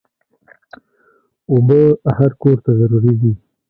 اوبه هر کور ته ضروري دي.